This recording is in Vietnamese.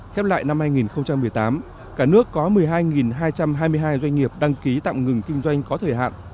khép lại năm hai nghìn một mươi tám cả nước có một mươi hai hai trăm hai mươi hai doanh nghiệp đăng ký tạm ngừng kinh doanh có thời hạn